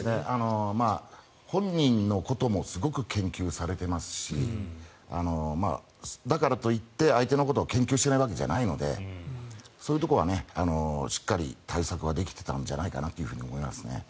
本人のこともすごく研究されていますしだからといって相手を研究していないわけではないのでそういうところはしっかり対策はできてたんじゃないかなと思いますね。